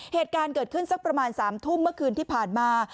เหตุการณ์เกิดขึ้นสักประมาณ๓ทุ่มเมื่อคืนที่ผ่านมา